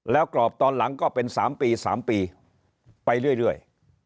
แล้วกรอบตอนหลังก็เป็น๓ปี๓ปีไปเรื่อย